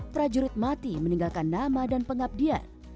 prajurit mati meninggalkan nama dan pengabdian